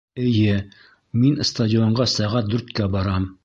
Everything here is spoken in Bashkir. Эйе, мин стадионға сәғәт дүрткә барам.